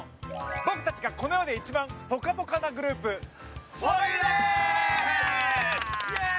僕たちがこの世で一番ぽかぽかなグループふぉゆです。